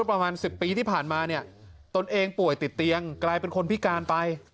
ประมาณ๑๐ปีที่ผ่านมาเนี่ยตนเองป่วยติดเตียงกลายเป็นคนพิการไป